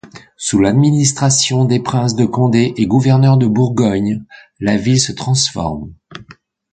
Sous l'administration des princes de Condé et gouverneurs de Bourgogne, la ville se transforme.